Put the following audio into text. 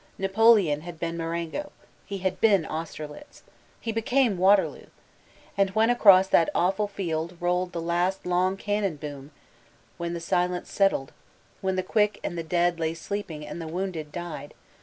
Napoleon had been Marengo — he had been Austerlitzl He be came Waterloo I And when across that awful field rolled the hut long cannon boom, when the silence settled, when the Quick and the Dead lay sleeping and the Wounded died.